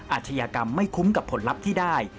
อาชญากรรมไม่คุ้มกับผลลัพธ์ที่ได้